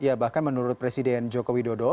ya bahkan menurut presiden joko widodo